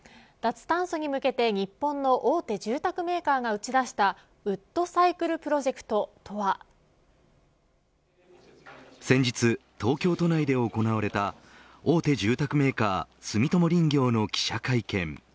脱炭素に向けて、日本の大手住宅メーカーが打ち出したウッドサイクルプロジェクトとは。先日、東京都内で行われた大手住宅メーカー住友林業の記者会見